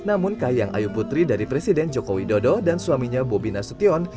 namun kayang ayu putri dari presiden jokowi dodo dan suaminya bobi nasution